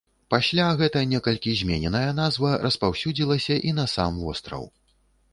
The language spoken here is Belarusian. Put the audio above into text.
Пасля гэта некалькі змененая назва распаўсюдзілася і на сам востраў.